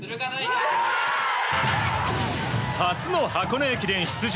初の箱根駅伝出場